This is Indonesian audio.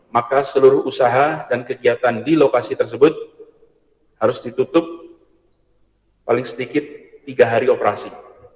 maka seluruh usaha dan kegiatan di lokasi tersebut harus ditutup paling sedikit tiga hari operasi